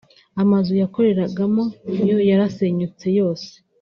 amazu yakoreragamo yo yarayasenywe yose